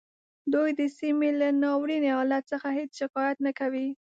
دوی د سیمې له ناوریني حالت څخه هیڅ شکایت نه کوي